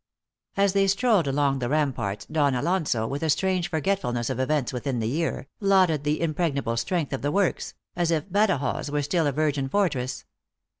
As they strolled along the ramparts, Don Alonso, with a strange forget fnl ness of events within the year, landed the impregnable strength of the works, as if Badajoz were still a virgin fortress.